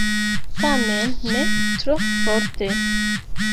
Tamen ne tro forte.